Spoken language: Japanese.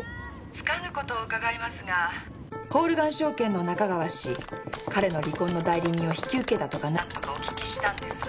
☎つかぬことを伺いますがホールガン証券の中川氏彼の離婚の代理人を引き受けたとか何とかお聞きしたんですが。